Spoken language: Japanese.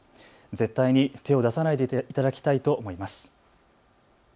絶対に手を出さないでいただきたいと思います。